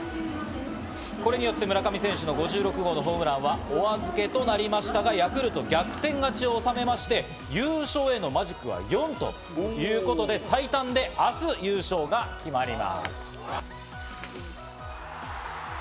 これによって村上選手の５６号ホームランはお預けとなりましたが、ヤクルト逆転勝ちを収めまして、優勝へのマジックは４ということで、最短で明日優勝が決まります。